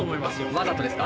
わざとですか？